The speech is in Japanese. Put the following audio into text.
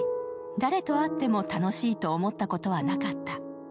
誰と会っても楽しいと思ったことはなかった。